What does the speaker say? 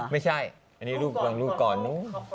ไม่ใช่อันนี้รูปก่อน